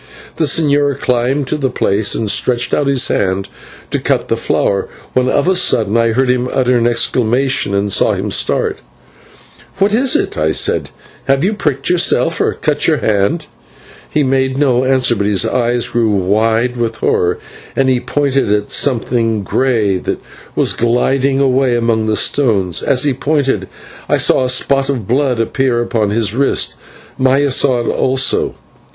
The señor climbed to the place and stretched out his hand to cut the flower, when of a sudden I heard him utter an exclamation and saw him start. "What is it?" I said, "have you pricked yourself or cut your hand?" He made no answer, but his eyes grew wide with horror, and he pointed at something grey that was gliding away among the stones, and as he pointed I saw a spot of blood appear upon his wrist. Maya saw it also.